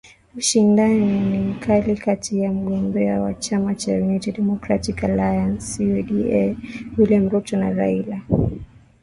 Ushindani ni mkali kati ya mgombea wa chama cha United Democratic Alliance (UDA) William Ruto na Raila Amollo Odinga wa chama cha Azimio la Umoja